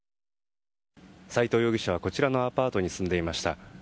斉藤容疑者はこちらのアパートに住んでいました。